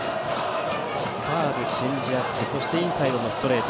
カーブ、チェンジアップそして、インサイドのストレート